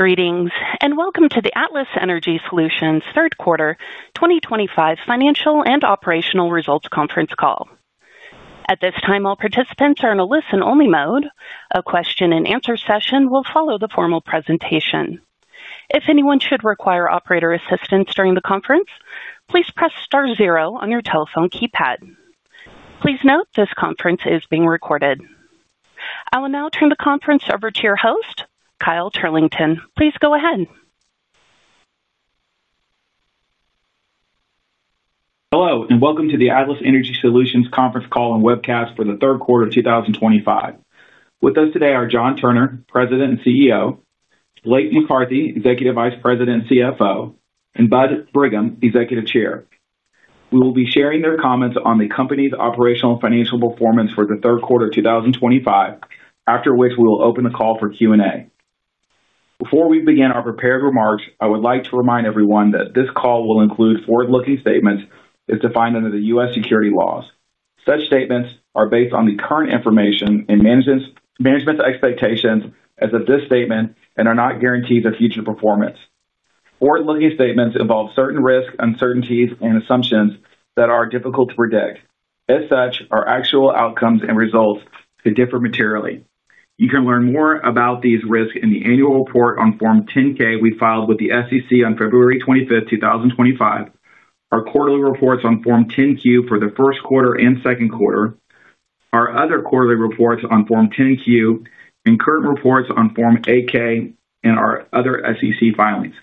Greetings, and welcome to the Atlas Energy Solutions Third Quarter 2025 Financial and operational results conference call. At this time, all participants are in a listen-only mode. A question-and-answer session will follow the formal presentation. If anyone should require operator assistance during the conference, please press star zero on your telephone keypad. Please note this conference is being recorded. I will now turn the conference over to your host, Kyle Turlington. Please go ahead. Hello, and welcome to the Atlas Energy Solutions conference call and webcast for the third Quarter 2025. With us today are John Turner, President and CEO; Blake McCarthy, Executive Vice President and CFO; and Bud Brigham, Executive Chair. We will be sharing their comments on the company's operational and financial performance for the Third Quarter 2025, after which we will open the call for Q&A. Before we begin our prepared remarks, I would like to remind everyone that this call will include forward-looking statements as defined under the US security laws. Such statements are based on the current information and management's expectations as of this statement and are not guaranteed their future performance. Forward-looking statements involve certain risks, uncertainties, and assumptions that are difficult to predict. As such, our actual outcomes and results could differ materially. You can learn more about these risks in the annual report on Form 10-K we filed with the SEC on February 25, 2025, our quarterly reports on Form 10-Q for the First Quarter and Second Quarter, our other quarterly reports on Form 10-Q, and current reports on Form 8-K and our other SEC filings.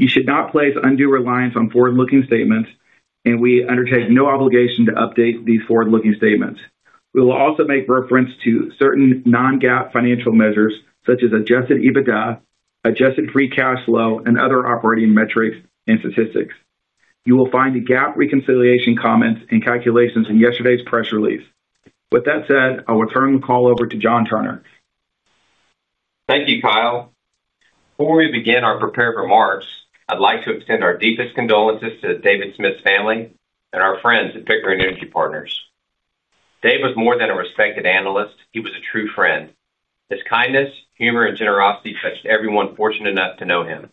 You should not place undue reliance on forward-looking statements, and we undertake no obligation to update these forward-looking statements. We will also make reference to certain non-GAAP financial measures, such as adjusted EBITDA, adjusted free cash flow, and other operating metrics and statistics. You will find the GAAP reconciliation comments and calculations in yesterday's press release. With that said, I will turn the call over to John Turner. Thank you, Kyle. Before we begin our prepared remarks, I'd like to extend our deepest condolences to the David Smith family and our friends at Pickering Energy Partners. Dave was more than a respected analyst; he was a true friend. His kindness, humor, and generosity touched everyone fortunate enough to know him.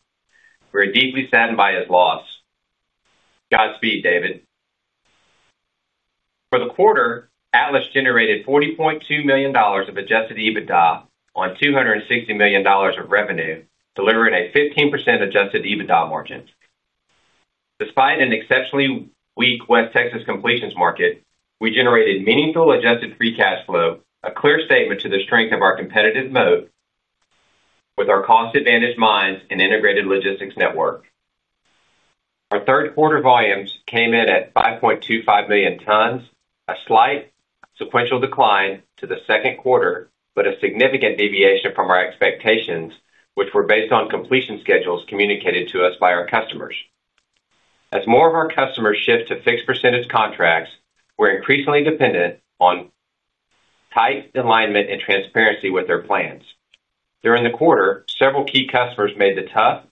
We are deeply saddened by his loss. Godspeed, David. For the quarter, Atlas generated $40.2 million of adjusted EBITDA on $260 million of revenue, delivering a 15% adjusted EBITDA margin. Despite an exceptionally weak West Texas completions market, we generated meaningful adjusted free cash flow, a clear statement to the strength of our competitive moat with our cost-advantaged mines and integrated logistics network. Our third quarter volumes came in at 5.25 million tons, a slight sequential decline to the second quarter, but a significant deviation from our expectations, which were based on completion schedules communicated to us by our customers. As more of our customers shift to fixed percentage contracts, we're increasingly dependent on tight alignment and transparency with their plans. During the quarter, several key customers made the tough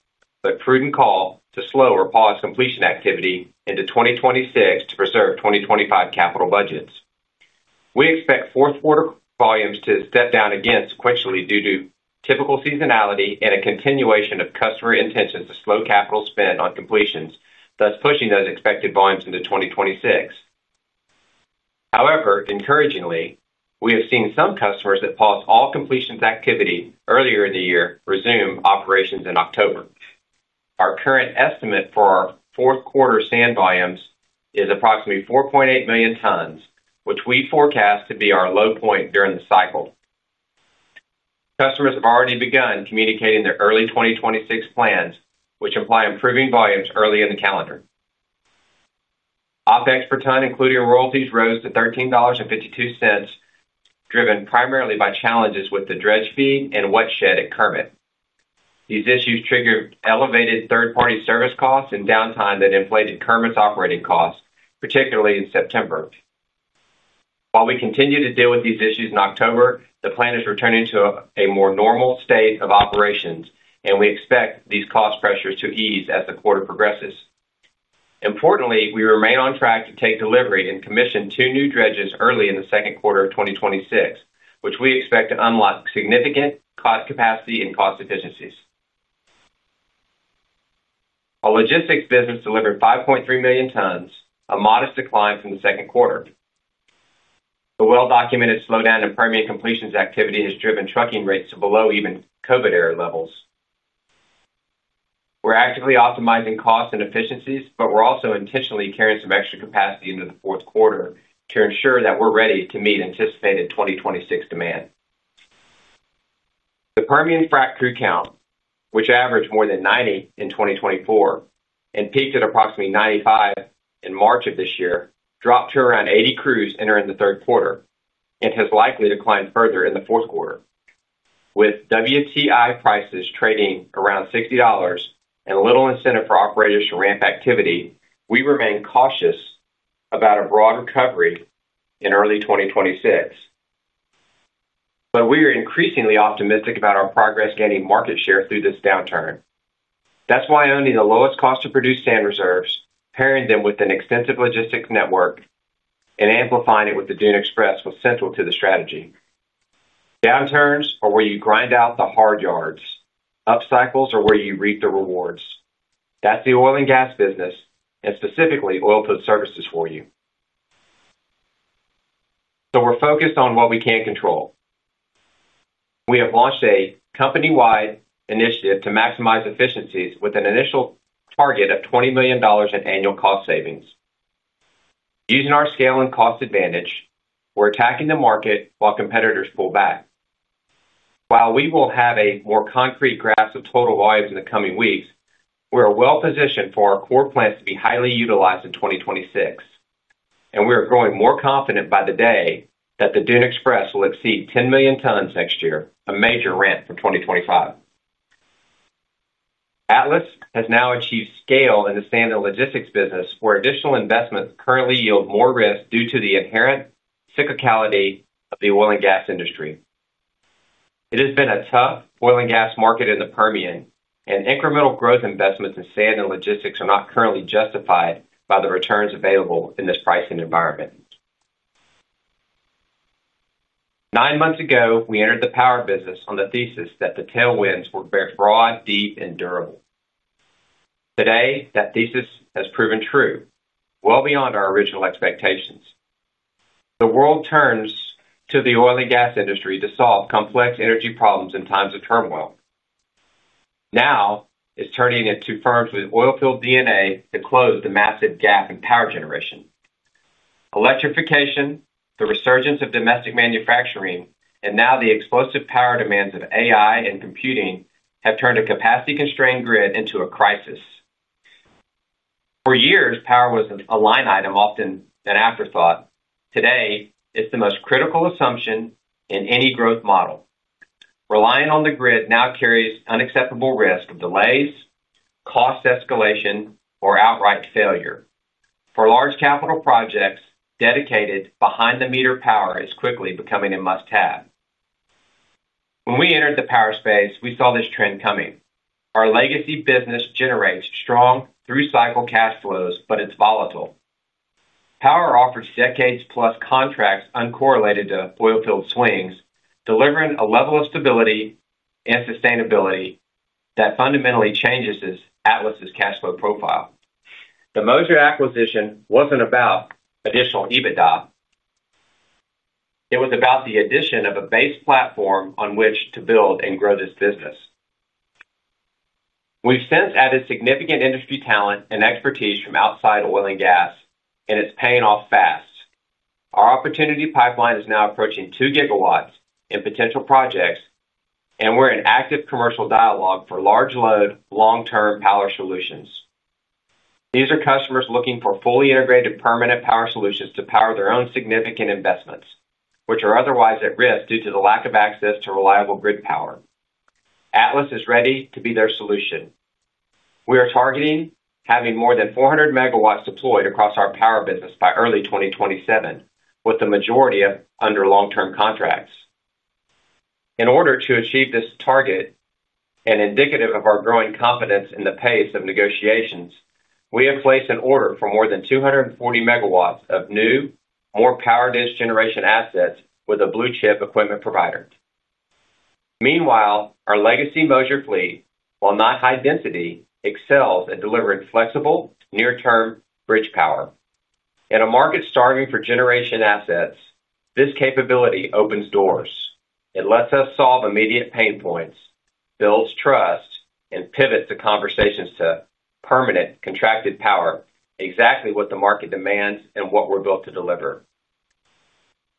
but prudent call to slow or pause completion activity into 2026 to preserve 2025 capital budgets. We expect fourth quarter volumes to step down again sequentially due to typical seasonality and a continuation of customer intentions to slow capital spend on completions, thus pushing those expected volumes into 2026. However, encouragingly, we have seen some customers that paused all completions activity earlier in the year resume operations in October. Our current estimate for our fourth quarter sand volumes is approximately 4.8 million tons, which we forecast to be our low point during the cycle. Customers have already begun communicating their early 2026 plans, which imply improving volumes early in the calendar. OpEx per ton, including royalties, rose to $13.52, driven primarily by challenges with the dredge feed and wet shed at Kermit. These issues triggered elevated third-party service costs and downtime that inflated Kermit's operating costs, particularly in September. While we continue to deal with these issues in October, the plant is returning to a more normal state of operations, and we expect these cost pressures to ease as the quarter progresses. Importantly, we remain on track to take delivery and commission two new dredges early in the second quarter of 2026, which we expect to unlock significant capacity and cost efficiencies. Our logistics business delivered 5.3 million tons, a modest decline from the second quarter. The well-documented slowdown in Permian completions activity has driven trucking rates to below even COVID-era levels. We're actively optimizing costs and efficiencies, but we're also intentionally carrying some extra capacity into the fourth quarter to ensure that we're ready to meet anticipated 2026 demand. The Permian frack crew count, which averaged more than 90 in 2024 and peaked at approximately 95 in March of this year, dropped to around 80 crews entering the third quarter and has likely declined further in the fourth quarter. With WTI prices trading around $60 and little incentive for operators to ramp activity, we remain cautious about a broad recovery in early 2026. We are increasingly optimistic about our progress gaining market share through this downturn. That is why owning the lowest cost-to-produce sand reserves, pairing them with an extensive logistics network, and amplifying it with the Dune Express was central to the strategy. Downturns are where you grind out the hard yards. Up cycles are where you reap the rewards. That is the oil and gas business, and specifically oilfield services for you. We are focused on what we can control. We have launched a company-wide initiative to maximize efficiencies with an initial target of $20 million in annual cost savings. Using our scale and cost advantage, we are attacking the market while competitors pull back. While we will have a more concrete grasp of total volumes in the coming weeks, we are well-positioned for our core plants to be highly utilized in 2026. We are growing more confident by the day that the Dune Express will exceed 10 million tons next year, a major ramp for 2025. Atlas has now achieved scale in the sand and logistics business, where additional investments currently yield more risk due to the inherent cyclicality of the oil and gas industry. It has been a tough oil and gas market in the Permian, and incremental growth investments in sand and logistics are not currently justified by the returns available in this pricing environment. Nine months ago, we entered the power business on the thesis that the tailwinds were broad, deep, and durable. Today, that thesis has proven true, well beyond our original expectations. The world turns to the oil and gas industry to solve complex energy problems in times of turmoil. Now it is turning to firms with oilfield DNA to close the massive gap in power generation. Electrification, the resurgence of domestic manufacturing, and now the explosive power demands of AI and computing have turned a capacity-constrained grid into a crisis. For years, power was a line item, often an afterthought. Today, it is the most critical assumption in any growth model. Relying on the grid now carries unacceptable risk of delays, cost escalation, or outright failure. For large capital projects, dedicated, behind-the-meter power is quickly becoming a must-have. When we entered the power space, we saw this trend coming. Our legacy business generates strong through-cycle cash flows, but it is volatile. Power offers decades-plus contracts uncorrelated to oilfield swings, delivering a level of stability and sustainability that fundamentally changes Atlas's cash flow profile. The Moser acquisition was not about additional EBITDA. It was about the addition of a base platform on which to build and grow this business. We have since added significant industry talent and expertise from outside oil and gas, and it is paying off fast. Our opportunity pipeline is now approaching 2 GW in potential projects, and we are in active commercial dialogue for large-load, long-term power solutions. These are customers looking for fully integrated permanent power solutions to power their own significant investments, which are otherwise at risk due to the lack of access to reliable grid power. Atlas is ready to be their solution. We are targeting having more than 400 MW deployed across our power business by early 2027, with the majority under long-term contracts. In order to achieve this target, and indicative of our growing confidence in the pace of negotiations, we have placed an order for more than 240 MW of new, more power-generation assets with a blue-chip equipment provider. Meanwhile, our legacy Moser fleet, while not high-density, excels at delivering flexible, near-term bridge power. In a market starving for generation assets, this capability opens doors. It lets us solve immediate pain points, builds trust, and pivots the conversations to permanent contracted power, exactly what the market demands and what we're built to deliver.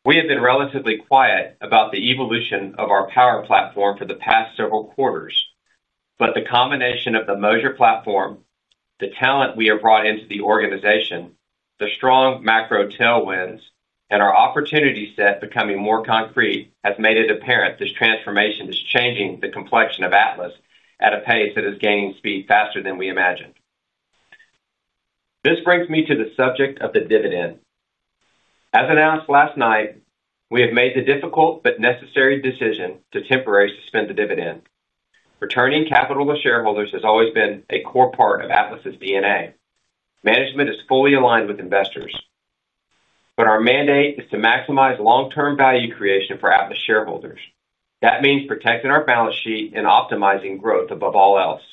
We have been relatively quiet about the evolution of our power platform for the past several quarters, but the combination of the Moser platform, the talent we have brought into the organization, the strong macro tailwinds, and our opportunity set becoming more concrete has made it apparent this transformation is changing the complexion of Atlas at a pace that is gaining speed faster than we imagined. This brings me to the subject of the dividend. As announced last night, we have made the difficult but necessary decision to temporarily suspend the dividend. Returning capital to shareholders has always been a core part of Atlas's DNA. Management is fully aligned with investors. Our mandate is to maximize long-term value creation for Atlas shareholders. That means protecting our balance sheet and optimizing growth above all else.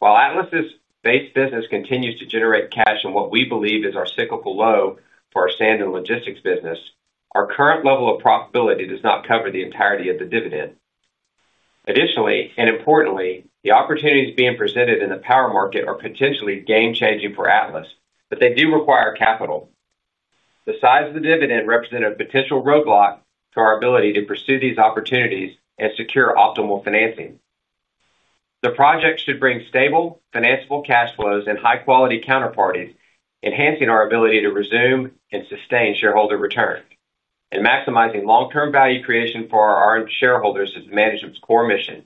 While Atlas's base business continues to generate cash in what we believe is our cyclical low for our sand and logistics business, our current level of profitability does not cover the entirety of the dividend. Additionally, and importantly, the opportunities being presented in the power market are potentially game-changing for Atlas, but they do require capital. The size of the dividend represents a potential roadblock to our ability to pursue these opportunities and secure optimal financing. The project should bring stable, financeable cash flows and high-quality counterparties, enhancing our ability to resume and sustain shareholder returns and maximizing long-term value creation for our shareholders as management's core mission.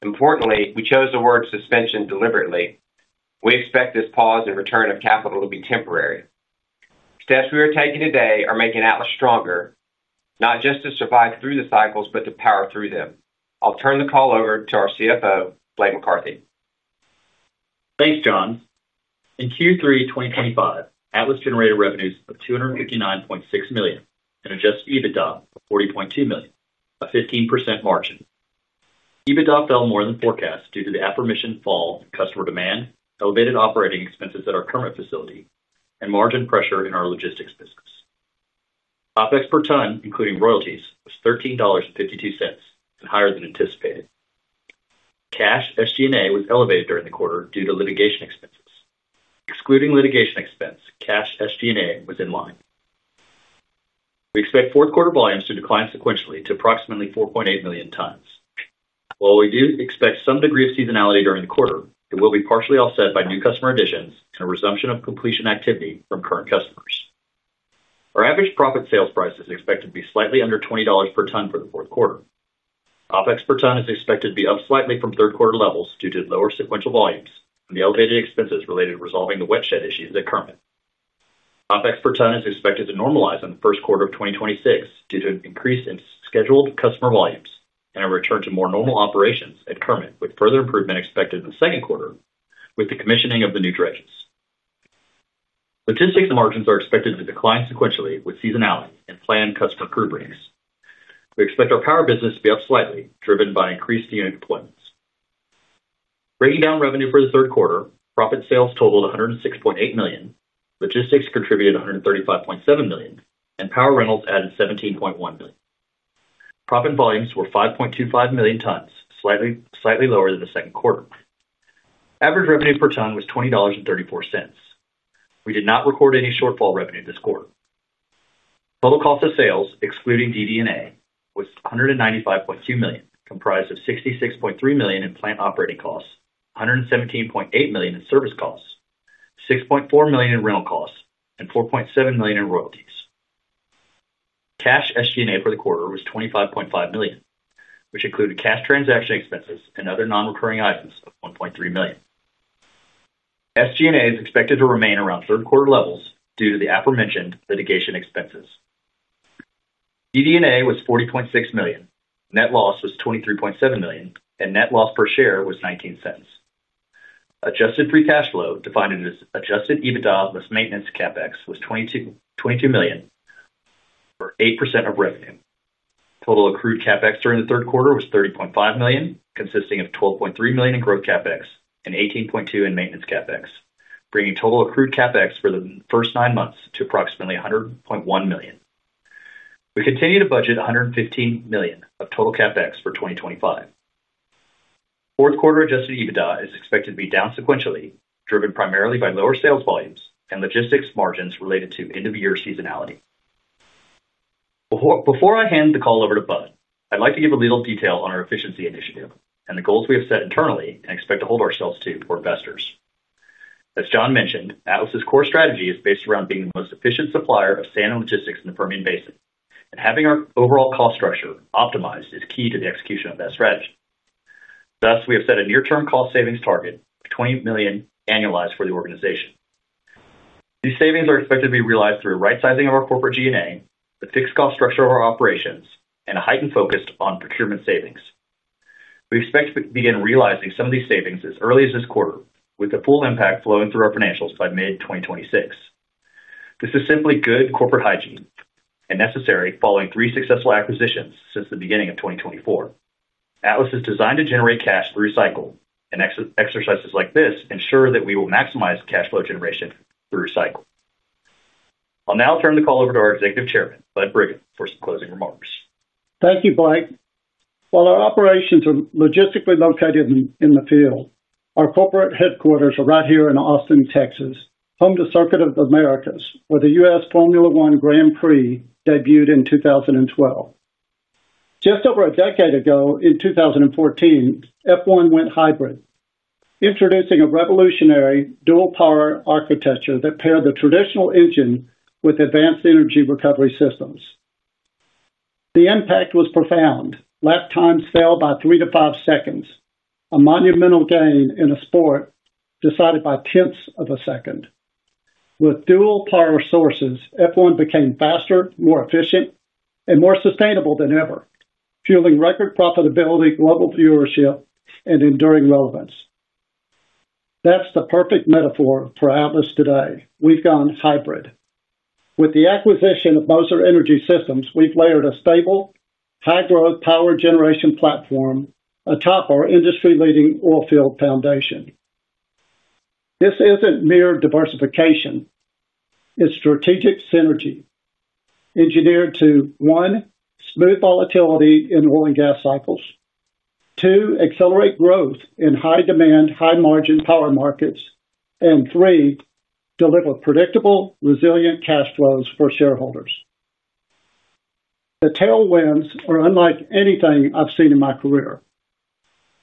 Importantly, we chose the word "suspension" deliberately. We expect this pause in return of capital to be temporary. Steps we are taking today are making Atlas stronger, not just to survive through the cycles, but to power through them. I'll turn the call over to our CFO, Blake McCarthy. Thanks, John. In Q3 2025, Atlas generated revenues of $259.6 million and adjusted EBITDA of $40.2 million, a 15% margin. EBITDA fell more than forecast due to the aforementioned fall in customer demand, elevated operating expenses at our current facility, and margin pressure in our logistics business. OpEx per ton, including royalties, was $13.52, higher than anticipated. Cash SG&A was elevated during the quarter due to litigation expenses. Excluding litigation expense, cash SG&A was in line. We expect fourth quarter volumes to decline sequentially to approximately 4.8 million tons. While we do expect some degree of seasonality during the quarter, it will be partially offset by new customer additions and a resumption of completion activity from current customers. Our average proppant sales price is expected to be slightly under $20 per ton for the fourth quarter. OpEx per ton is expected to be up slightly from third quarter levels due to lower sequential volumes and the elevated expenses related to resolving the wet shed issues at Kermit. OpEx per ton is expected to normalize in the first quarter of 2026 due to an increase in scheduled customer volumes and a return to more normal operations at Kermit, with further improvement expected in the second quarter with the commissioning of the new dredges. Logistics margins are expected to decline sequentially with seasonality and planned customer recruitments. We expect our power business to be up slightly, driven by increased unit deployments. Breaking down revenue for the third quarter, proppant sales totaled $106.8 million, logistics contributed $135.7 million, and power rentals added $17.1 million. Proppant volumes were 5.25 million tons, slightly lower than the second quarter. Average revenue per ton was $20.34. We did not record any shortfall revenue this quarter. Total cost of sales, excluding DD&A, was $195.2 million, comprised of $66.3 million in plant operating costs, $117.8 million in service costs, $6.4 million in rental costs, and $4.7 million in royalties. Cash SG&A for the quarter was $25.5 million, which included cash transaction expenses and other non-recurring items of $1.3 million. SG&A is expected to remain around third quarter levels due to the aforementioned litigation expenses. DD&A was $40.6 million. Net loss was $23.7 million, and net loss per share was $0.19. Adjusted free cash flow, defined as adjusted EBITDA plus maintenance CapEx, was $22 million. For 8% of revenue. Total accrued CapEx during the third quarter was $30.5 million, consisting of $12.3 million in growth CapEx and $18.2 million in maintenance CapEx, bringing total accrued CapEx for the first nine months to approximately $100.1 million. We continue to budget $115 million of total CapEx for 2025. Fourth quarter adjusted EBITDA is expected to be down sequentially, driven primarily by lower sales volumes and logistics margins related to end-of-year seasonality. Before I hand the call over to Bud, I'd like to give a little detail on our efficiency initiative and the goals we have set internally and expect to hold ourselves to for investors. As John mentioned, Atlas's core strategy is based around being the most efficient supplier of sand and logistics in the Permian Basin, and having our overall cost structure optimized is key to the execution of that strategy. Thus, we have set a near-term cost savings target of $20 million annualized for the organization. These savings are expected to be realized through right-sizing of our corporate G&A, the fixed cost structure of our operations, and a heightened focus on procurement savings. We expect to begin realizing some of these savings as early as this quarter, with the full impact flowing through our financials by mid-2026. This is simply good corporate hygiene and necessary following three successful acquisitions since the beginning of 2024. Atlas is designed to generate cash through cycle, and exercises like this ensure that we will maximize cash flow generation through cycle. I'll now turn the call over to our Executive Chairman, Bud Brigham, for some closing remarks. Thank you, Blake. While our operations are logistically located in the field, our corporate headquarters are right here in Austin, Texas, home to Circuit of the Americas, where the US Formula One Grand Prix debuted in 2012. Just over a decade ago, in 2014, F1 went hybrid, introducing a revolutionary dual-power architecture that paired the traditional engine with advanced energy recovery systems. The impact was profound. Lap times fell by three to five seconds, a monumental gain in a sport decided by tenths of a second. With dual-power sources, F1 became faster, more efficient, and more sustainable than ever, fueling record profitability, global viewership, and enduring relevance. That is the perfect metaphor for Atlas today. We have gone hybrid. With the acquisition of Moser Energy Systems, we have layered a stable, high-growth power generation platform atop our industry-leading oilfield foundation. This is not mere diversification. It is strategic synergy. Engineered to, one, smooth volatility in oil and gas cycles. Two, accelerate growth in high-demand, high-margin power markets, and three, deliver predictable, resilient cash flows for shareholders. The tailwinds are unlike anything I have seen in my career.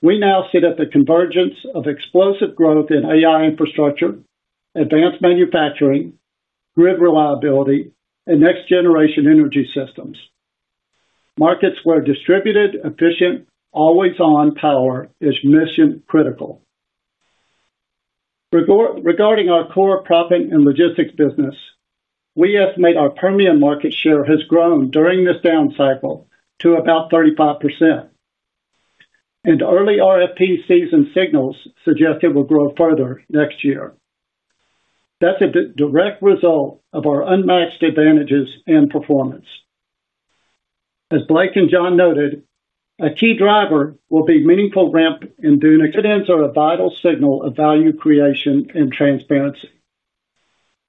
We now sit at the convergence of explosive growth in AI infrastructure, advanced manufacturing, grid reliability, and next-generation energy systems. Markets where distributed, efficient, always-on power is mission-critical. Regarding our core proppant and logistics business. We estimate our Permian market share has grown during this down cycle to about 35%. And early RFP season signals suggest it will grow further next year. That is a direct result of our unmatched advantages and performance. As Blake and John noted, a key driver will be meaningful ramp in. Dividends are a vital signal of value creation and transparency.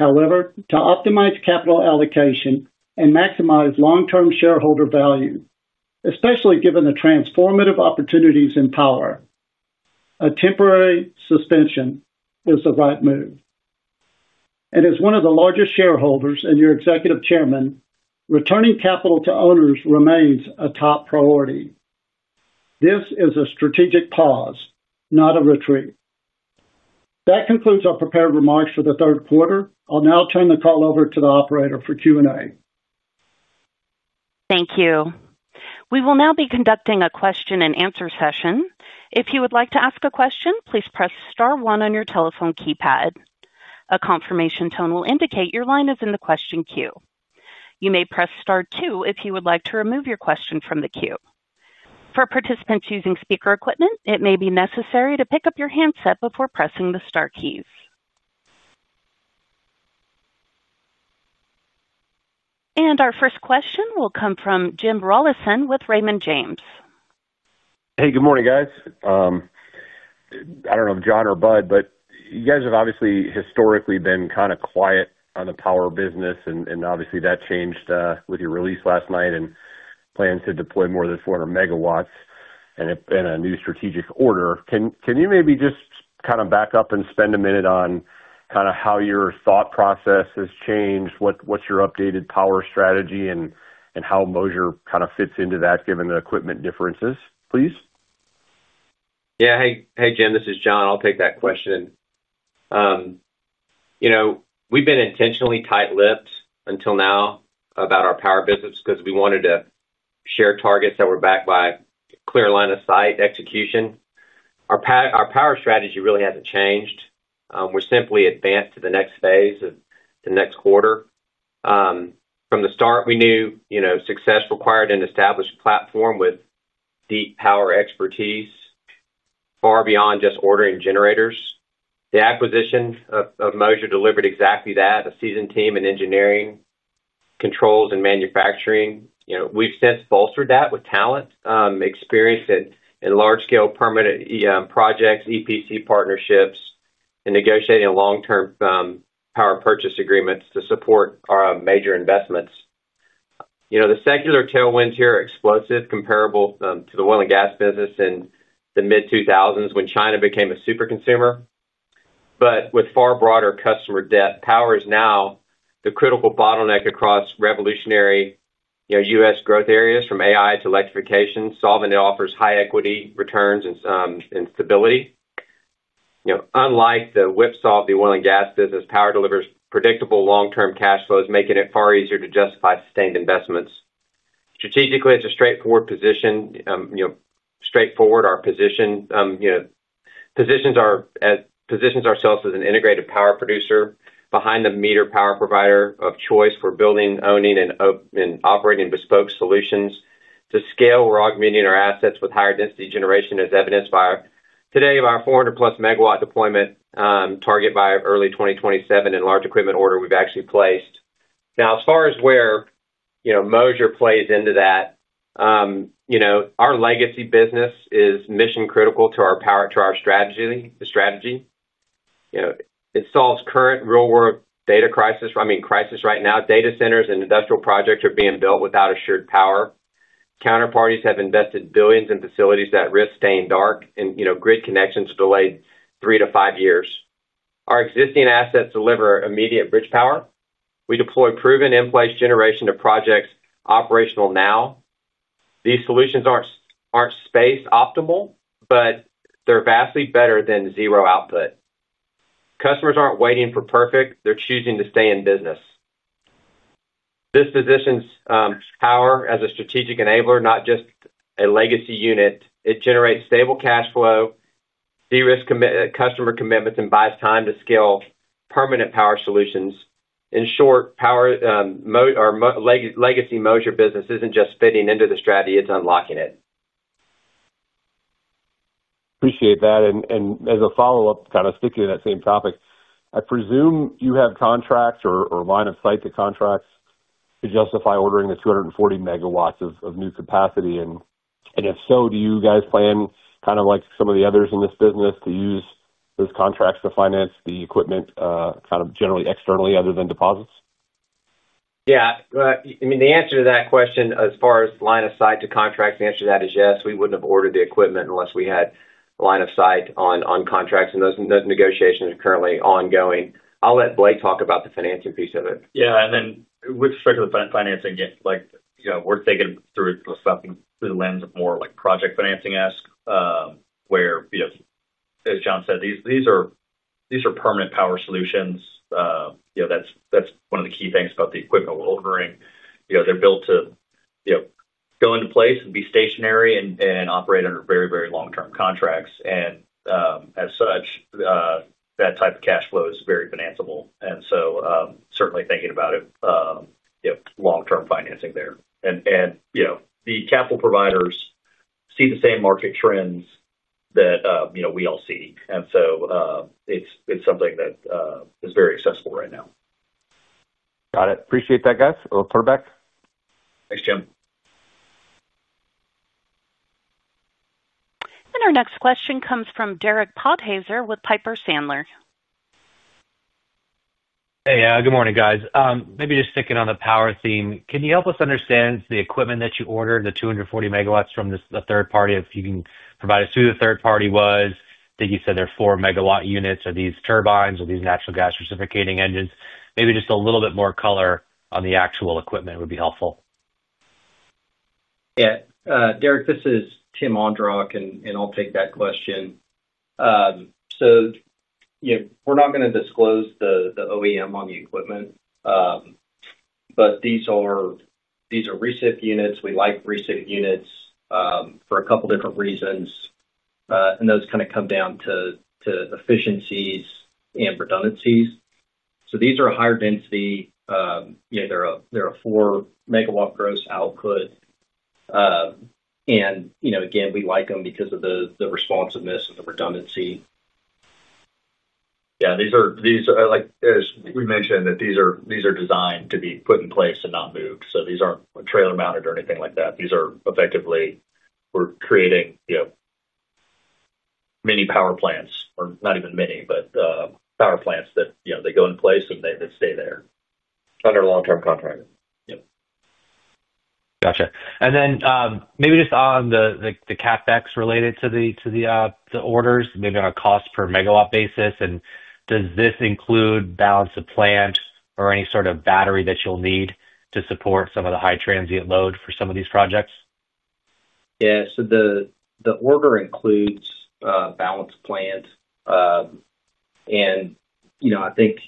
However, to optimize capital allocation and maximize long-term shareholder value, especially given the transformative opportunities in power. A temporary suspension is the right move. As one of the largest shareholders and your Executive Chairman, returning capital to owners remains a top priority. This is a strategic pause, not a retreat. That concludes our prepared remarks for the Third Quarter. I will now turn the call over to the operator for Q&A. Thank you. We will now be conducting a question-and-answer session. If you would like to ask a question, please press star one on your telephone keypad. A confirmation tone will indicate your line is in the question queue. You may press star two if you would like to remove your question from the queue. For participants using speaker equipment, it may be necessary to pick up your handset before pressing the star keys. Our first question will come from Jim Rawlinson with Raymond James. Hey, good morning, guys. I don't know if John or Bud, but you guys have obviously historically been kind of quiet on the power business, and obviously that changed with your release last night and plans to deploy more than 400 MW and a new strategic order. Can you maybe just kind of back up and spend a minute on kind of how your thought process has changed? What's your updated power strategy and how Moser kind of fits into that given the equipment differences, please? Yeah. Hey, Jim, this is John. I'll take that question. We've been intentionally tight-lipped until now about our power business because we wanted to share targets that were backed by clear line of sight execution. Our power strategy really hasn't changed. We're simply advanced to the next phase of the next quarter. From the start, we knew success required an established platform with deep power expertise. Far beyond just ordering generators. The acquisition of Moser delivered exactly that: a seasoned team in engineering, controls, and manufacturing. We've since bolstered that with talent, experience in large-scale permanent projects, EPC partnerships, and negotiating long-term power purchase agreements to support our major investments. The secular tailwinds here are explosive, comparable to the oil and gas business in the mid-2000s when China became a superconsumer. With far broader customer depth, power is now the critical bottleneck across revolutionary US growth areas from AI to electrification. Solving it offers high equity returns and stability. Unlike the whipsaw of the oil and gas business, power delivers predictable long-term cash flows, making it far easier to justify sustained investments. Strategically, it's a straightforward position. Straightforward, our position positions ourselves as an integrated power producer, behind the meter power provider of choice for building, owning, and operating bespoke solutions. To scale, we're augmenting our assets with higher density generation, as evidenced today by our 400+ MW deployment target by early 2027 and large equipment order we've actually placed. Now, as far as where Moser plays into that. Our legacy business is mission-critical to our strategy. It solves current real-world data crisis. I mean, crisis right now. Data centers and industrial projects are being built without assured power. Counterparties have invested billions in facilities that risk staying dark, and grid connections are delayed three to five years. Our existing assets deliver immediate bridge power. We deploy proven in-place generation to projects operational now. These solutions aren't space-optimal, but they're vastly better than zero output. Customers aren't waiting for perfect. They're choosing to stay in business. This positions power as a strategic enabler, not just a legacy unit. It generates stable cash flow, de-risk customer commitments, and buys time to scale permanent power solutions. In short, our legacy Moser business isn't just fitting into the strategy. It's unlocking it. Appreciate that. As a follow-up, kind of sticking to that same topic, I presume you have contracts or line of sight to contracts to justify ordering the 240 MW of new capacity. If so, do you guys plan, kind of like some of the others in this business, to use those contracts to finance the equipment kind of generally externally other than deposits? Yeah. I mean, the answer to that question, as far as line of sight to contracts, the answer to that is yes. We would not have ordered the equipment unless we had line of sight on contracts, and those negotiations are currently ongoing. I will let Blake talk about the financing piece of it. Yeah. With respect to the financing, we're thinking through something through the lens of more project financing-esque. Where, as John said, these are permanent power solutions. That's one of the key things about the equipment we're ordering. They're built to go into place and be stationary and operate under very, very long-term contracts. As such, that type of cash flow is very financeable. Certainly thinking about it, long-term financing there. The capital providers see the same market trends that we all see. It's something that is very accessible right now. Got it. Appreciate that, guys. We'll put it back. Thanks, Jim. Our next question comes from Derek Podhaizer with Piper Sandler. Hey, good morning, guys. Maybe just sticking on the power theme. Can you help us understand the equipment that you ordered, the 240 MW from the third party, if you can provide us who the third party was? I think you said they're four megawatt units. Are these turbines? Are these natural gas reciprocating engines? Maybe just a little bit more color on the actual equipment would be helpful. Yeah. Derek, this is Tim Ondrak, and I'll take that question. We're not going to disclose the OEM on the equipment. These are recip units. We like recip units for a couple of different reasons. Those kind of come down to efficiencies and redundancies. These are higher density. They're a 4 MW gross output. Again, we like them because of the responsiveness and the redundancy. Yeah. As we mentioned, these are designed to be put in place and not moved. These are not trailer-mounted or anything like that. These are, effectively, we are creating mini power plants, or not even mini, but power plants that go in place and they stay there under long-term contract. Gotcha. And then maybe just on the CapEx related to the orders, maybe on a cost per megawatt basis, and does this include balance of plant or any sort of battery that you'll need to support some of the high transient load for some of these projects? Yeah. The order includes balance of plant. I think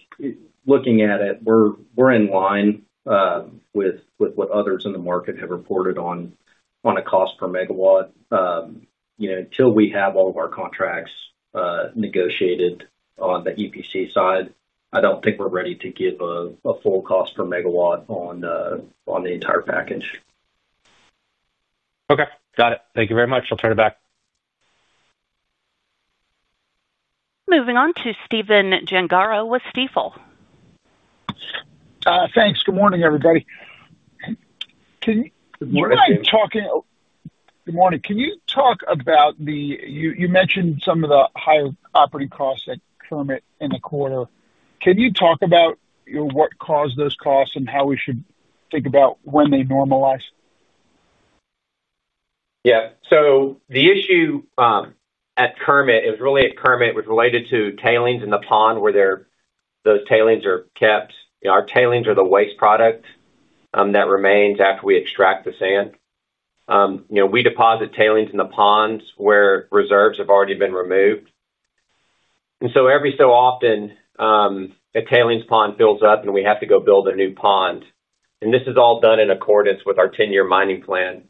looking at it, we're in line with what others in the market have reported on a cost per megawatt. Until we have all of our contracts negotiated on the EPC side, I don't think we're ready to give a full cost per megawatt on the entire package. Okay. Got it. Thank you very much. I'll turn it back. Moving on to Stephen Gengaro with Stifel. Thanks. Good morning, everybody. Can you talk in? Good morning. Can you talk about the—you mentioned some of the higher operating costs that come in the quarter. Can you talk about what caused those costs and how we should think about when they normalize? Yeah. The issue at Kermit, it was really at Kermit, it was related to tailings in the pond where those tailings are kept. Our tailings are the waste product that remains after we extract the sand. We deposit tailings in the ponds where reserves have already been removed. Every so often, a tailings pond fills up and we have to go build a new pond. This is all done in accordance with our 10-year mining plan.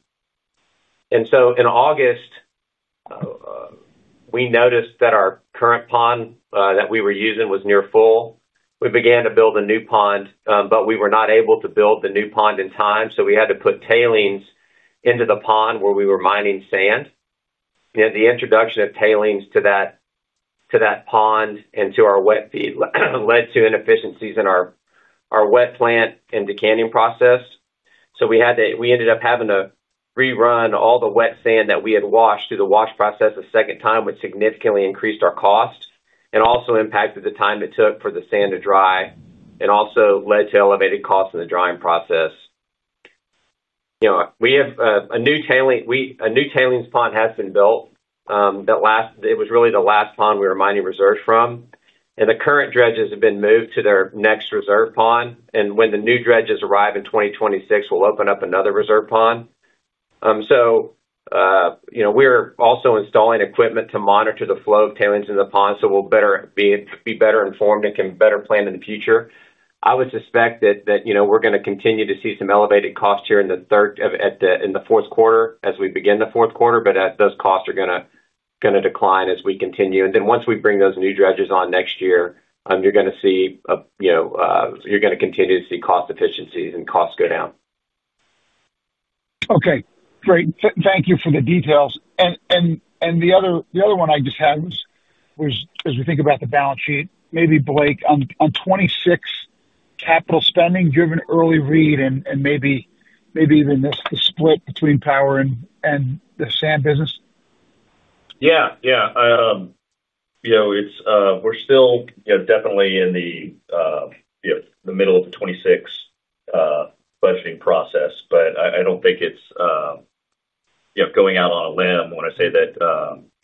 In August, we noticed that our current pond that we were using was near full. We began to build a new pond, but we were not able to build the new pond in time. We had to put tailings into the pond where we were mining sand. The introduction of tailings to that pond and to our wet feed led to inefficiencies in our wet plant and decanting process. We ended up having to rerun all the wet sand that we had washed through the wash process a second time, which significantly increased our cost and also impacted the time it took for the sand to dry and also led to elevated costs in the drying process. We have a new tailings pond that has been built. It was really the last pond we were mining reserves from. The current dredges have been moved to their next reserve pond. When the new dredges arrive in 2026, we will open up another reserve pond. We are also installing equipment to monitor the flow of tailings in the pond so we will be better informed and can better plan in the future. I would suspect that we are going to continue to see some elevated costs here in the fourth quarter as we begin the fourth quarter, but those costs are going to decline as we continue. Once we bring those new dredges on next year, you are going to continue to see cost efficiencies and costs go down. Okay. Great. Thank you for the details. The other one I just had was, as we think about the balance sheet, maybe, Blake, on 26. Capital spending, given early read, and maybe even the split between power and the sand business? Yeah. Yeah. We're still definitely in the middle of the 2026 budgeting process, but I don't think it's going out on a limb when I say that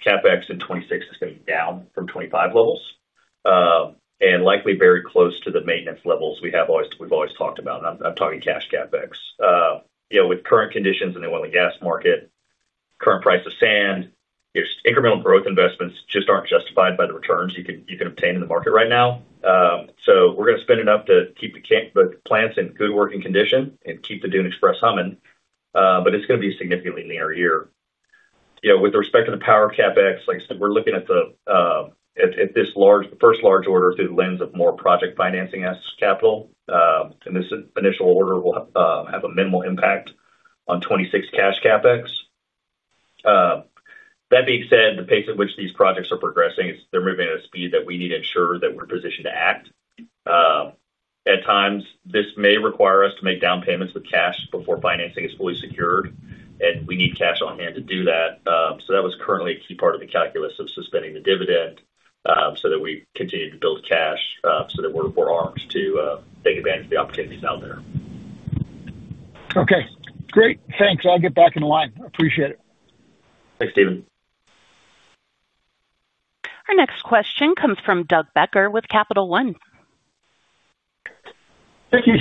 CapEx in 2026 is going to be down from 2025 levels and likely very close to the maintenance levels we've always talked about. I'm talking cash CapEx. With current conditions in the oil and gas market, current price of sand, incremental growth investments just aren't justified by the returns you can obtain in the market right now. We're going to spend enough to keep the plants in good working condition and keep the Dune Express humming, but it's going to be a significantly leaner year. With respect to the power CapEx, like I said, we're looking at this first large order through the lens of more project financing as capital, and this initial order will have a minimal impact on 2026 cash CapEx. That being said, the pace at which these projects are progressing, they're moving at a speed that we need to ensure that we're positioned to act. At times, this may require us to make down payments with cash before financing is fully secured, and we need cash on hand to do that. That was currently a key part of the calculus of suspending the dividend so that we continue to build cash so that we're armed to take advantage of the opportunities out there. Okay. Great. Thanks. I'll get back in line. Appreciate it. Thanks, Stephen. Our next question comes from Doug Becker with Capital One. Thank you.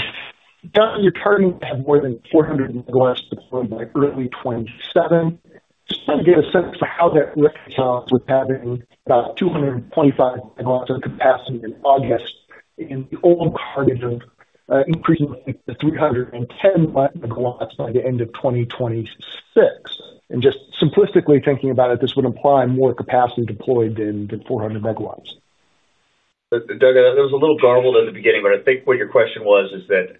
You're targeting to have more than 400 MW deployed by early 2027. Just trying to get a sense for how that reconciles with having about 225 MW of capacity in August and the old cargo. Increasing to 310 MW by the end of 2026. Just simplistically thinking about it, this would imply more capacity deployed than 400 MW. Doug, I was a little garbled at the beginning, but I think what your question was is that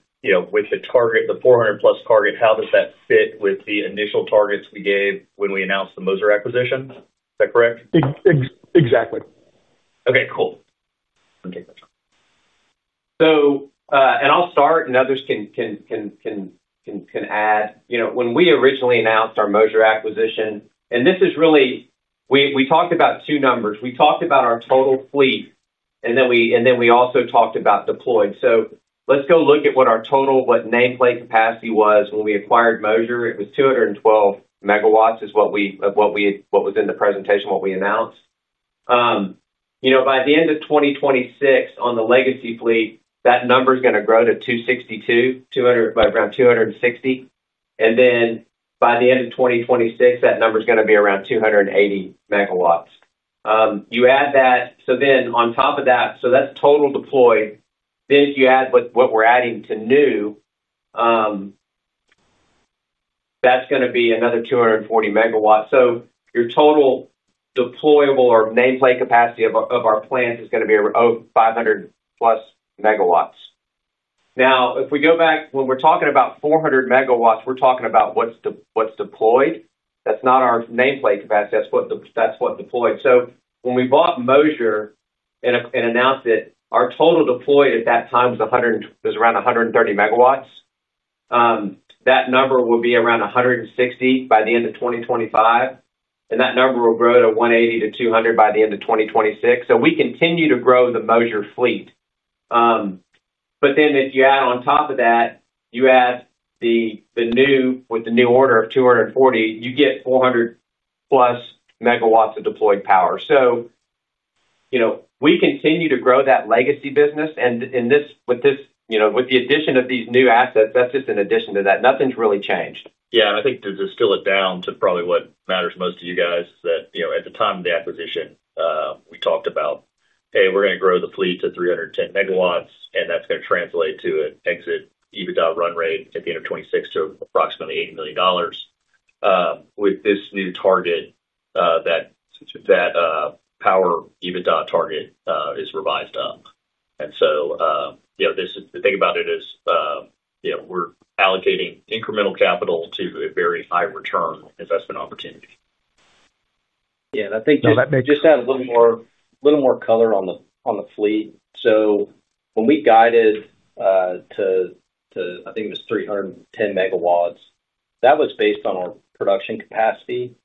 with the target, the 400+ target, how does that fit with the initial targets we gave when we announced the Moser acquisition? Is that correct? Exactly. Okay. Cool. I'll start, and others can add. When we originally announced our Moser acquisition, and this is really, we talked about two numbers. We talked about our total fleet, and then we also talked about deployed. Let's go look at what our total, what nameplate capacity was when we acquired Moser. It was 212 MW, is what we had, what was in the presentation, what we announced. By the end of 2026, on the legacy fleet, that number is going to grow to 262, about around 260. Then by the end of 2026, that number is going to be around 280 MW. You add that. On top of that, that's total deployed. If you add what we're adding to new, that's going to be another 240 MW. Your total deployable or nameplate capacity of our plants is going to be over 500+ MW. Now, if we go back, when we're talking about 400 MW, we're talking about what's deployed. That's not our nameplate capacity. That's what's deployed. When we bought Moser and announced it, our total deployed at that time was around 130 MW. That number will be around 160 by the end of 2025. That number will grow to 180-200 by the end of 2026. We continue to grow the Moser fleet. If you add on top of that, you add the new, with the new order of 240, you get 400+ MW of deployed power. We continue to grow that legacy business. With the addition of these new assets, that's just an addition to that. Nothing's really changed. Yeah. I think to distill it down to probably what matters most to you guys is that at the time of the acquisition, we talked about, "Hey, we're going to grow the fleet to 310 MW, and that's going to translate to an exit EBITDA run rate at the end of 2026 to approximately $8 million." With this new target, that power EBITDA target is revised up. The thing about it is we're allocating incremental capital to a very high return investment opportunity. Yeah. I think. Just to add a little more color on the fleet. When we guided to, I think it was 310 MW, that was based on our production capacity.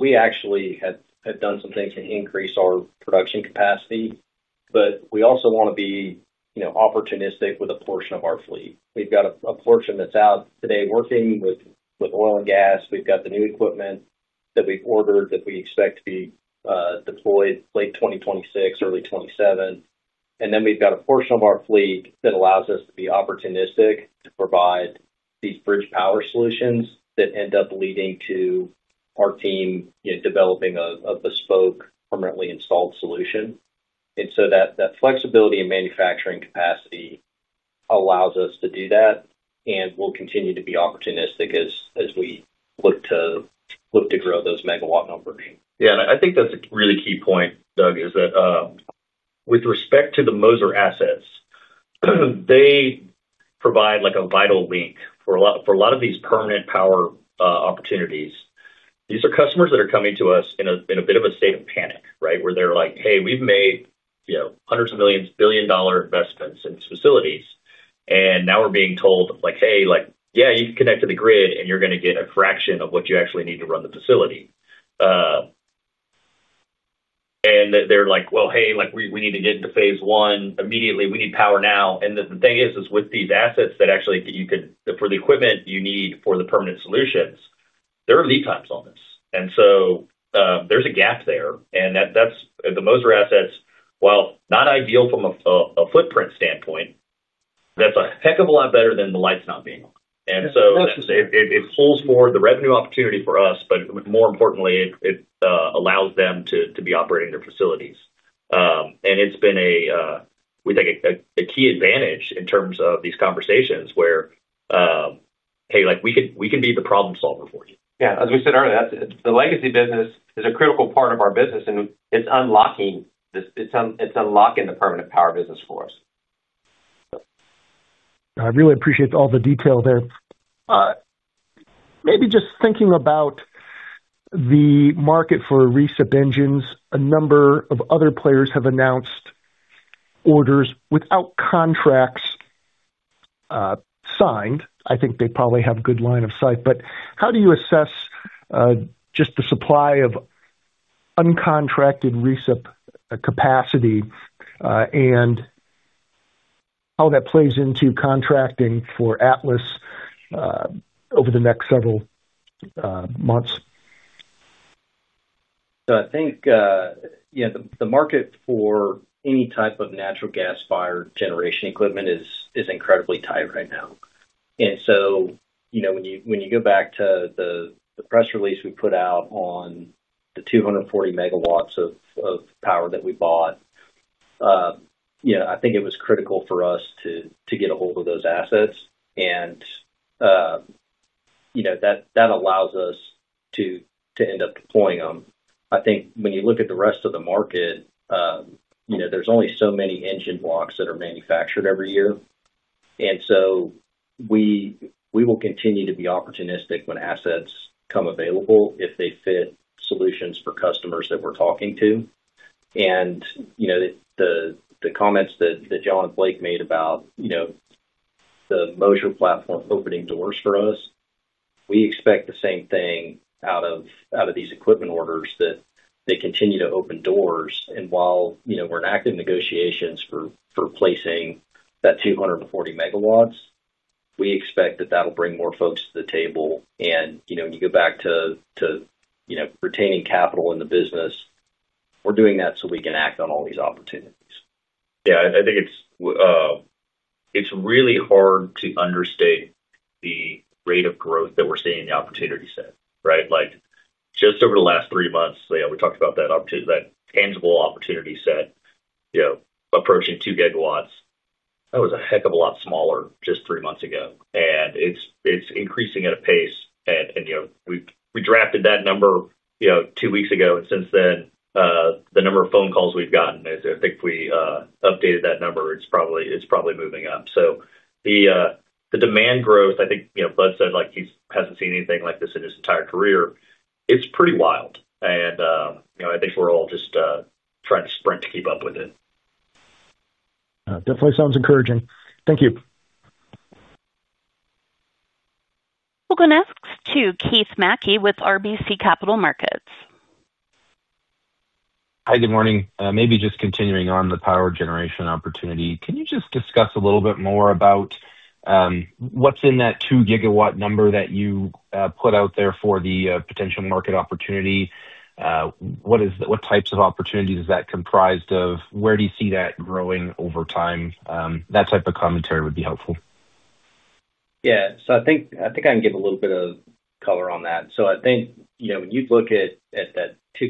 We actually had done some things to increase our production capacity. We also want to be opportunistic with a portion of our fleet. We've got a portion that's out today working with oil and gas. We've got the new equipment that we've ordered that we expect to be deployed late 2026, early 2027. We've got a portion of our fleet that allows us to be opportunistic to provide these bridge power solutions that end up leading to our team developing a bespoke, permanently installed solution. That flexibility in manufacturing capacity allows us to do that. We'll continue to be opportunistic as we look to grow those megawatt numbers. Yeah. I think that's a really key point, Doug, is that with respect to the Moser assets. They provide a vital link for a lot of these permanent power opportunities. These are customers that are coming to us in a bit of a state of panic, right, where they're like, "Hey, we've made hundreds of millions, billion-dollar investments in these facilities. And now we're being told, like, 'Hey, yeah, you can connect to the grid, and you're going to get a fraction of what you actually need to run the facility.'" They're like, "Well, hey, we need to get into phase one immediately. We need power now." The thing is, with these assets that actually you can for the equipment you need for the permanent solutions, there are lead times on this. There's a gap there. The Moser assets, while not ideal from a footprint standpoint, that's a heck of a lot better than the lights not being on. It pulls forward the revenue opportunity for us, but more importantly, it allows them to be operating their facilities. It's been a key advantage in terms of these conversations where, "Hey, we can be the problem solver for you. Yeah. As we said earlier, the legacy business is a critical part of our business, and it's unlocking the permanent power business for us. I really appreciate all the detail there. Maybe just thinking about the market for reset engines, a number of other players have announced orders without contracts signed. I think they probably have a good line of sight. How do you assess just the supply of uncontracted reefer capacity, and how that plays into contracting for Atlas over the next several months? I think the market for any type of natural gas fire generation equipment is incredibly tight right now. When you go back to the press release we put out on the 240 MW of power that we bought, I think it was critical for us to get a hold of those assets. That allows us to end up deploying them. I think when you look at the rest of the market, there are only so many engine blocks that are manufactured every year. We will continue to be opportunistic when assets come available if they fit solutions for customers that we are talking to. The comments that John and Blake made about the Moser platform opening doors for us, we expect the same thing out of these equipment orders, that they continue to open doors. While we are in active negotiations for placing that 240 MW, we expect that will bring more folks to the table. When you go back to retaining capital in the business, we are doing that so we can act on all these opportunities. Yeah. I think it's really hard to understate the rate of growth that we're seeing in the opportunity set, right? Just over the last three months, we talked about that tangible opportunity set approaching 2 GW. That was a heck of a lot smaller just three months ago. It's increasing at a pace. We drafted that number two weeks ago. Since then, the number of phone calls we've gotten, I think if we updated that number, it's probably moving up. The demand growth, I think Bud said he hasn't seen anything like this in his entire career. It's pretty wild. I think we're all just trying to sprint to keep up with it. Definitely sounds encouraging. Thank you. Welcome next to Keith Mackey with RBC Capital Markets. Hi, good morning. Maybe just continuing on the power generation opportunity. Can you just discuss a little bit more about what's in that 2 GW number that you put out there for the potential market opportunity? What types of opportunities is that comprised of? Where do you see that growing over time? That type of commentary would be helpful. Yeah. I think I can give a little bit of color on that. I think when you look at that 2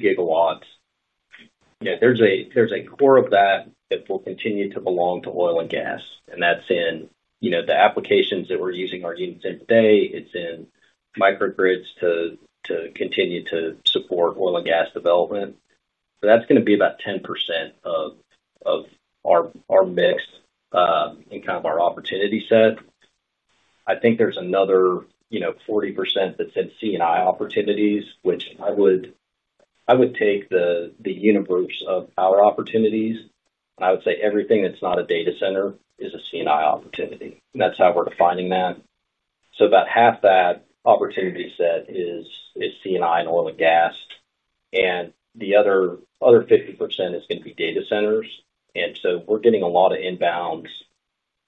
GW, there's a core of that that will continue to belong to oil and gas. That's in the applications that we're using our units in today. It's in microgrids to continue to support oil and gas development. That's going to be about 10% of our mix and kind of our opportunity set. I think there's another 40% that's in C&I opportunities, which I would take the universe of power opportunities, and I would say everything that's not a data center is a C&I opportunity. That's how we're defining that. About half that opportunity set is C&I and oil and gas, and the other 50% is going to be data centers. We're getting a lot of inbounds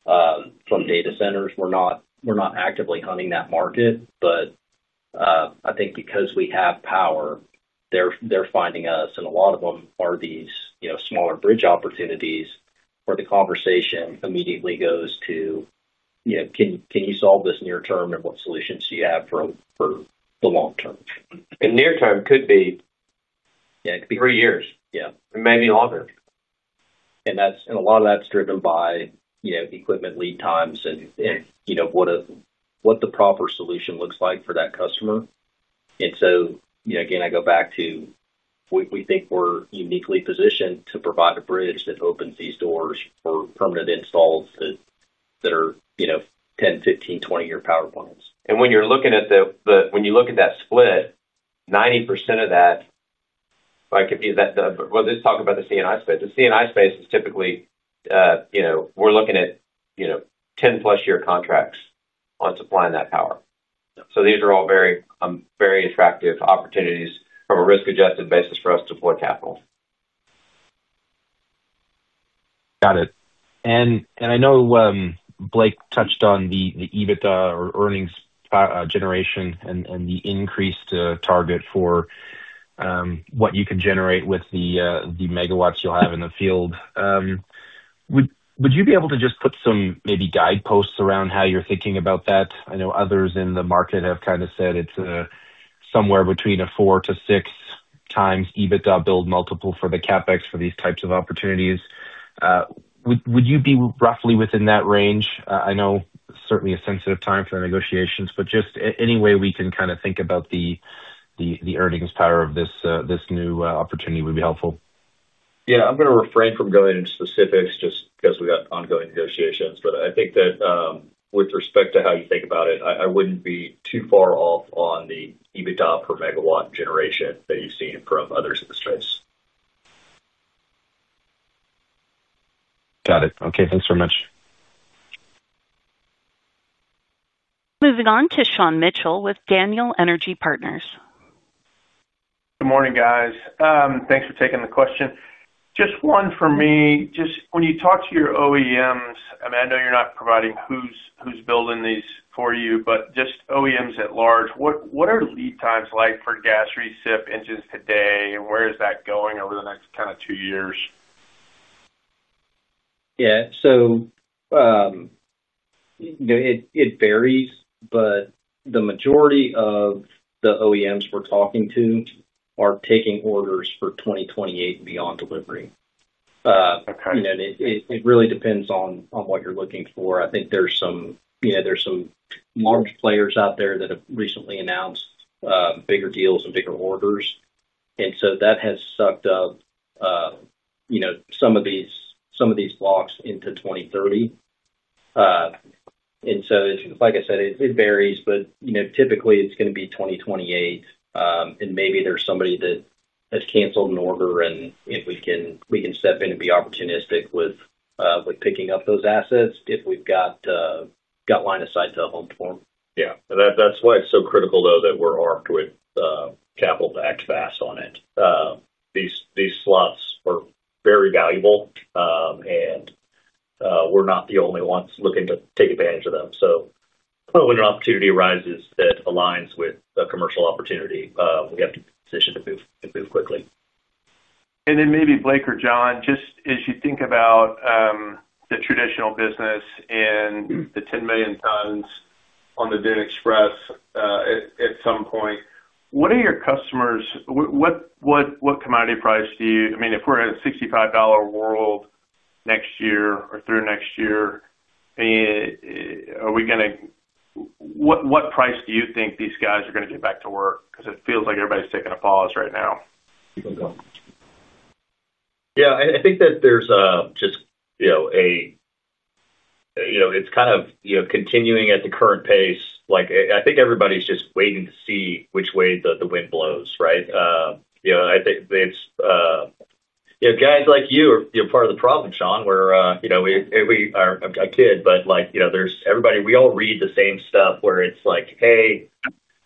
from data centers. We're not actively hunting that market, but I think because we have power, they're finding us. A lot of them are these smaller bridge opportunities where the conversation immediately goes to, "Can you solve this near-term? And what solutions do you have for the long-term? The near-term could be. Yeah. It could be three years. Yeah. Maybe longer. A lot of that's driven by equipment lead times and what the proper solution looks like for that customer. Again, I go back to we think we're uniquely positioned to provide a bridge that opens these doors for permanent installs that are 10-, 15-, 20-year power plans. When you look at that split, 90% of that. Let's talk about the C&I space. The C&I space is typically. We're looking at 10+ year contracts on supplying that power. These are all very attractive opportunities from a risk-adjusted basis for us to deploy capital. Got it. I know Blake touched on the EBITDA or earnings generation and the increased target for what you can generate with the megawatts you'll have in the field. Would you be able to just put some maybe guide posts around how you're thinking about that? I know others in the market have kind of said it's somewhere between a 4x to 6x EBITDA build multiple for the CapEx for these types of opportunities. Would you be roughly within that range? I know it's certainly a sensitive time for the negotiations, but just any way we can kind of think about the earnings power of this new opportunity would be helpful. Yeah. I'm going to refrain from going into specifics just because we've got ongoing negotiations. I think that with respect to how you think about it, I wouldn't be too far off on the EBITDA per megawatt generation that you've seen from others in the space. Got it. Okay. Thanks very much. Moving on to Sean Mitchell with Daniel Energy Partners. Good morning, guys. Thanks for taking the question. Just one for me. Just when you talk to your OEMs, I mean, I know you're not providing who's building these for you, but just OEMs at large, what are lead times like for gas reciprocating engines today? And where is that going over the next kind of two years? Yeah. It varies, but the majority of the OEMs we're talking to are taking orders for 2028 and beyond delivery. It really depends on what you're looking for. I think there's some large players out there that have recently announced bigger deals and bigger orders, and that has sucked up some of these blocks into 2030. Like I said, it varies, but typically, it's going to be 2028. Maybe there's somebody that has canceled an order, and we can step in and be opportunistic with picking up those assets if we've got line of sight to a home for them. Yeah. That is why it is so critical, though, that we are armed with capital to act fast on it. These slots are very valuable. We are not the only ones looking to take advantage of them. When an opportunity arises that aligns with a commercial opportunity, we have to be positioned to move quickly. Maybe, Blake or John, just as you think about the traditional business and the 10 million tons on the Dune Express. At some point, what are your customers? What commodity price do you—I mean, if we're in a $65 world next year or through next year, are we going to—what price do you think these guys are going to get back to work? Because it feels like everybody's taking a pause right now. Yeah. I think that there's just a, it's kind of continuing at the current pace. I think everybody's just waiting to see which way the wind blows, right? I think it's, guys like you are part of the problem, Sean, where, we are a kid, but everybody, we all read the same stuff where it's like, "Hey.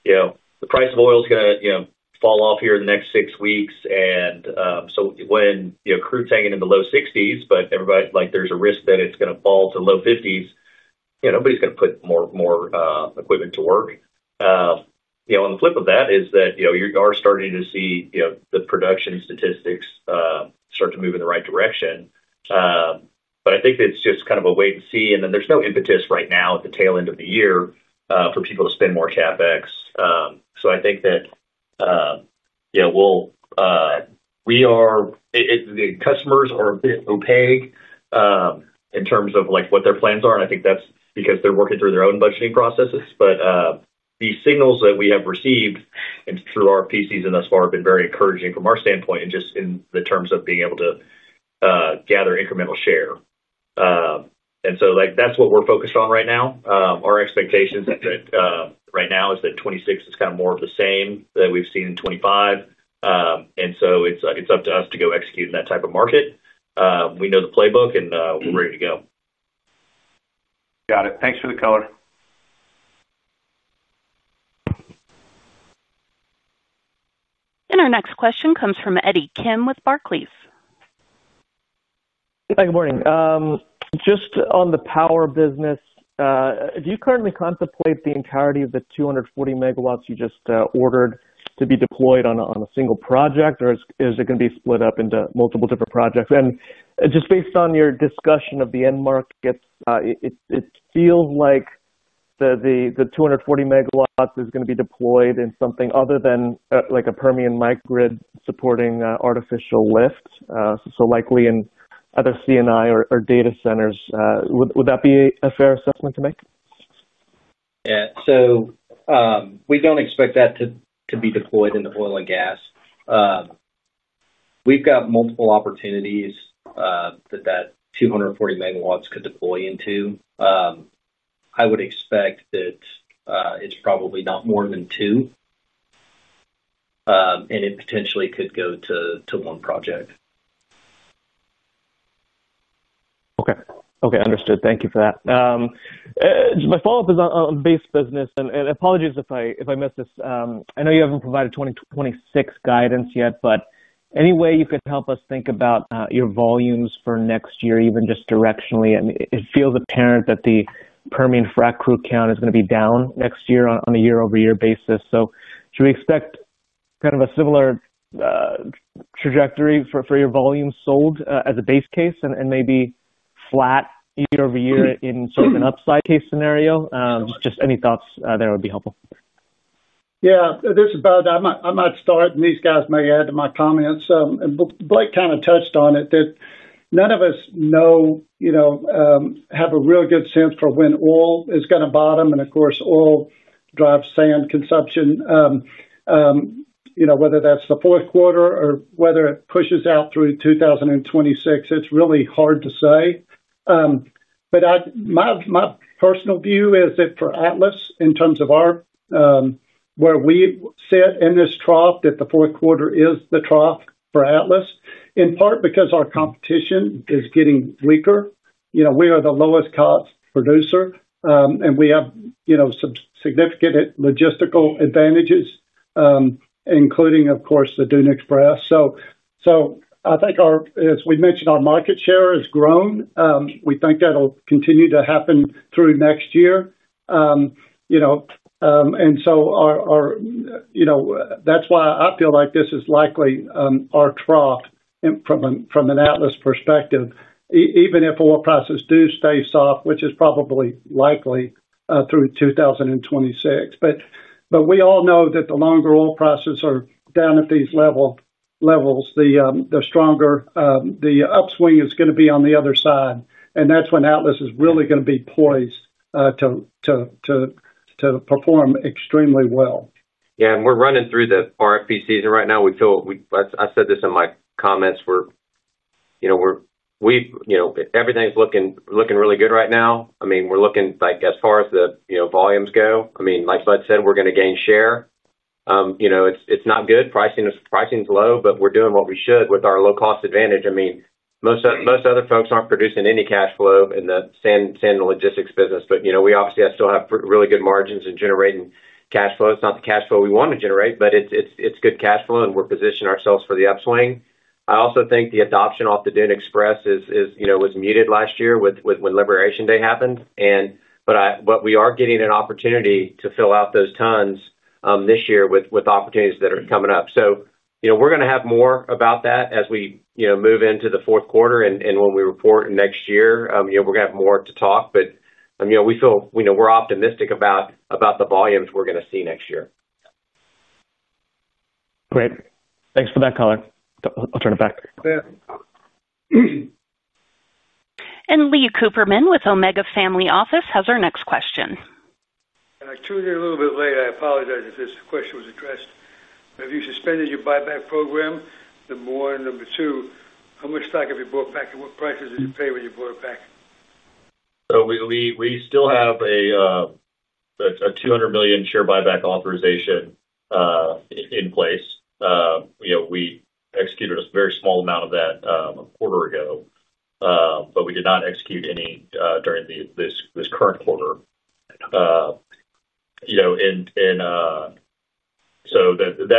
The price of oil is going to fall off here in the next six weeks." When crude's hanging in the low 60s, but there's a risk that it's going to fall to low 50s, nobody's going to put more equipment to work. On the flip of that is that you are starting to see the production statistics start to move in the right direction. I think it's just kind of a wait and see. There is no impetus right now at the tail end of the year for people to spend more CapEx. I think that we are, the customers are a bit opaque in terms of what their plans are. I think that's because they're working through their own budgeting processes. These signals that we have received through RFPs and thus far have been very encouraging from our standpoint and just in the terms of being able to gather incremental share. That's what we're focused on right now. Our expectations right now is that 2026 is kind of more of the same that we've seen in 2025. It's up to us to go execute in that type of market. We know the playbook, and we're ready to go. Got it. Thanks for the color. Our next question comes from Eddie Kim with Barclays. Hi, good morning. Just on the power business. Do you currently contemplate the entirety of the 240 MW you just ordered to be deployed on a single project, or is it going to be split up into multiple different projects? Just based on your discussion of the end market, it feels like the 240 MW is going to be deployed in something other than a Permian microgrid supporting artificial lift, so likely in other C&I or data centers. Would that be a fair assessment to make? Yeah. We do not expect that to be deployed in the oil and gas. We have got multiple opportunities that that 240 MW could deploy into. I would expect that it is probably not more than two, and it potentially could go to one project. Okay. Okay. Understood. Thank you for that. My follow-up is on base business. And apologies if I missed this. I know you haven't provided 2026 guidance yet, but any way you could help us think about your volumes for next year, even just directionally? I mean, it feels apparent that the Permian frac crew count is going to be down next year on a year-over-year basis. So should we expect kind of a similar trajectory for your volumes sold as a base case and maybe flat year-over-year in sort of an upside case scenario? Just any thoughts there would be helpful. Yeah. I'm going to start, and these guys may add to my comments. Blake kind of touched on it, that none of us know, have a real good sense for when oil is going to bottom. And of course, oil drives sand consumption. Whether that's the fourth quarter or whether it pushes out through 2026, it's really hard to say. My personal view is that for Atlas, in terms of where we sit in this trough, that the fourth quarter is the trough for Atlas, in part because our competition is getting weaker. We are the lowest-cost producer, and we have significant logistical advantages, including, of course, the Dune Express. I think, as we mentioned, our market share has grown. We think that'll continue to happen through next year. That's why I feel like this is likely our trough from an Atlas perspective, even if oil prices do stay soft, which is probably likely through 2026. We all know that the longer oil prices are down at these levels, the stronger upswing is going to be on the other side. That's when Atlas is really going to be poised to perform extremely well. Yeah. We're running through the RFP season right now. I said this in my comments. Everything's looking really good right now. I mean, we're looking as far as the volumes go. I mean, like Bud said, we're going to gain share. It's not good. Pricing is low, but we're doing what we should with our low-cost advantage. I mean, most other folks aren't producing any cash flow in the sand and logistics business. We obviously still have really good margins in generating cash flow. It's not the cash flow we want to generate, but it's good cash flow, and we're positioning ourselves for the upswing. I also think the adoption of the Dune Express was muted last year when Liberation Day happened. We are getting an opportunity to fill out those tons this year with opportunities that are coming up. We're going to have more about that as we move into the fourth quarter and when we report next year. We're going to have more to talk. We feel we're optimistic about the volumes we're going to see next year. Great. Thanks for that, Color. I'll turn it back. Lee Cooperman with Omega Family Office has our next question. I told you a little bit late. I apologize if this question was addressed. Have you suspended your buyback program? Number one. Number two, how much stock have you bought back, and what prices did you pay when you bought it back? We still have a $200 million share buyback authorization in place. We executed a very small amount of that a quarter ago, but we did not execute any during this current quarter. That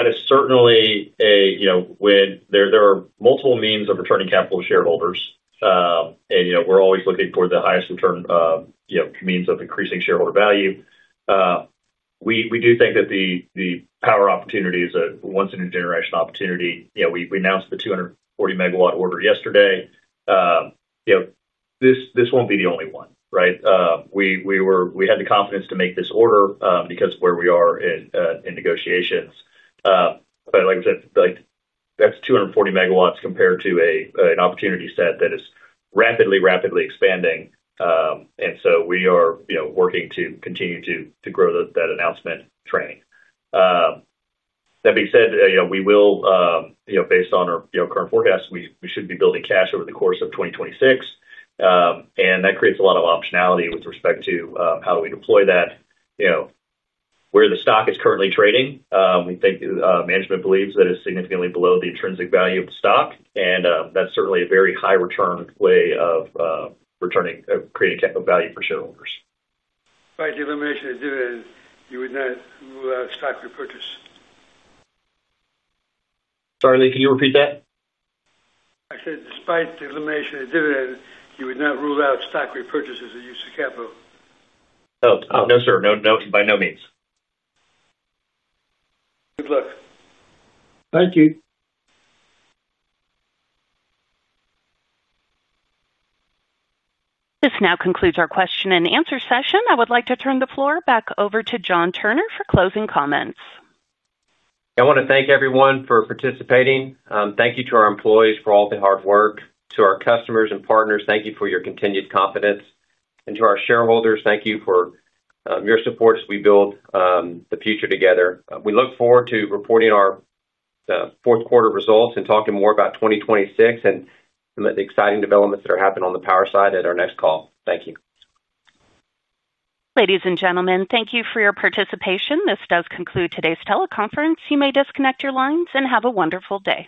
is certainly a, there are multiple means of returning capital to shareholders, and we're always looking for the highest return means of increasing shareholder value. We do think that the power opportunity is a once-in-a-generation opportunity. We announced the 240 MW order yesterday. This won't be the only one, right? We had the confidence to make this order because of where we are in negotiations. Like I said, that's 240 MW compared to an opportunity set that is rapidly, rapidly expanding. We are working to continue to grow that announcement train. That being said, based on our current forecast, we should be building cash over the course of 2026. That creates a lot of optionality with respect to how we deploy that. Where the stock is currently trading, management believes that it's significantly below the intrinsic value of the stock. That's certainly a very high-return way of creating capital value for shareholders. Despite the elimination of dividends, you would not rule out stock repurchase. Sorry, Lee, can you repeat that? I said despite the elimination of dividends, you would not rule out stock repurchase as a use of capital. Oh, no, sir. By no means. Good luck. Thank you. This now concludes our question-and-answer session. I would like to turn the floor back over to John Turner for closing comments. I want to thank everyone for participating. Thank you to our employees for all the hard work, to our customers and partners. Thank you for your continued confidence. To our shareholders, thank you for your support as we build the future together. We look forward to reporting our fourth-quarter results and talking more about 2026 and the exciting developments that are happening on the power side at our next call. Thank you. Ladies and gentlemen, thank you for your participation. This does conclude today's teleconference. You may disconnect your lines and have a wonderful day.